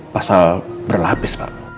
pasal berlapis pak